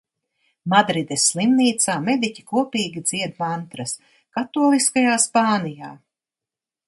Madrides slimnīcā mediķi kopīgi dzied mantras. Katoliskajā Spānijā!